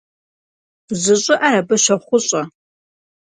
Жьы щӀыӀэр абы щохъущӀэ.